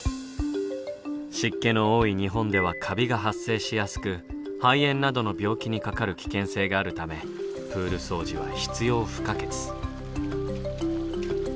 湿気の多い日本ではカビが発生しやすく肺炎などの病気にかかる危険性があるためプール掃除は必要不可欠。